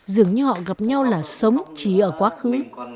dường như họ gặp nhau là sống chỉ ở quá khứ